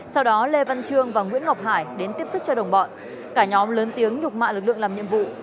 sau đó lê văn trương và nguyễn ngọc hải đến tiếp sức cho đồng bọn cả nhóm lớn tiếng nhục mạ lực lượng làm nhiệm vụ